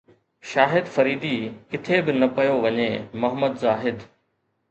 شاهد فريدي ڪٿي به نه پيو وڃي محمد زاهد